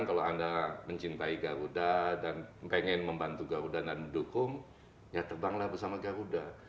kalau anda mencintai garuda dan pengen membantu garuda dan mendukung ya terbanglah bersama garuda